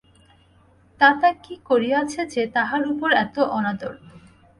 তাতা কী করিয়াছে যে, তাহার উপর এত অনাদর!